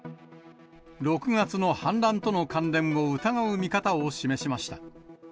６月の反乱との関連を疑う見方を示しました。